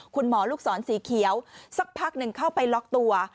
คุณหมอลูกศรสีเขียวสักพักหนึ่งเข้าไปล็อกตัว